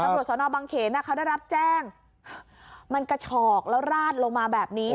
แล้วบริษัทสนบังเกณฑ์น่ะเขาได้รับแจ้งมันกระฉอกแล้วราดลงมาแบบนี้